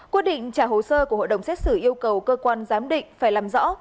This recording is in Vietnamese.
quyết định trả hồ sơ của hội đồng xét xử yêu cầu cơ quan giám định phải làm rõ